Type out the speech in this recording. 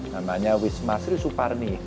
namanya wisma sri suparni